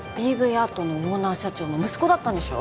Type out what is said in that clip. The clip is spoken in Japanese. アートのオーナー社長の息子だったんでしょ？